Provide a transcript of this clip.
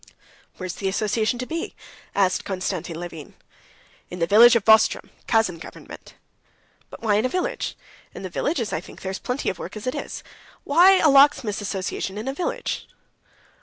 "Where is the association to be?" asked Konstantin Levin. "In the village of Vozdrem, Kazan government." "But why in a village? In the villages, I think, there is plenty of work as it is. Why a locksmiths' association in a village?"